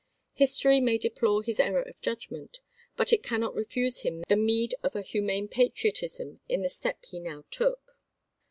History may deplore his error of judgment, but it cannot refuse him the meed of a humane patriotism in the step he now took.